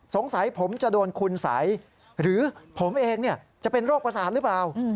สงสัยผมจะโดนคุณสัยหรือผมเองจะเป็นโรคประสาทหรือเปล่า